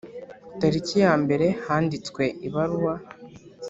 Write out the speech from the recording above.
Tariki ya mbere handitswe ibaruwa